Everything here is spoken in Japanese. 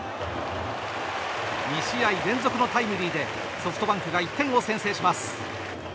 ２試合連続のタイムリーでソフトバンクが１点を先制します。